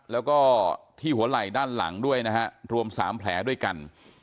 แล้วก็ที่หัวไหล่ด้านหลังด้วยนะฮะรวม๓แผลด้วยกัน